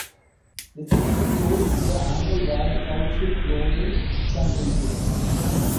The city is host to the annual World Cow Chip Throwing Championship.